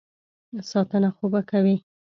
ساتنه خو به کوي.